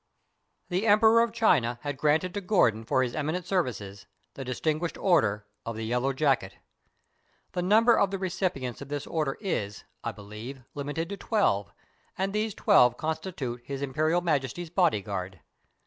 ] The Emperor of China had granted to Gordon for his eminent services the distinguished order of the Yellow Jacket. The number of the recipients of this order is, I believe, limited to twelve, and these twelve constitute His Imperial Majesty's bodyguard.